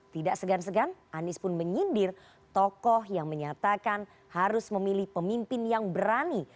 tidak segan segan anies pun menyindir tokoh yang menyatakan harus memilih pemimpin yang berani